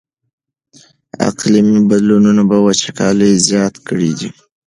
اقلیمي بدلونونو وچکالي زیاته کړې ده.